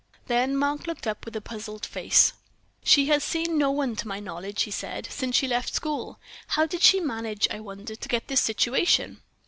Then Mark looked up with a puzzled face. "She has seen no one, to my knowledge," he said, "since she left school. How did she manage, I wonder, to get this situation?"